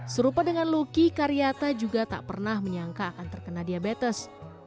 serupa dengan luki karyata juga tak pernah menyangka akan terkena diabetes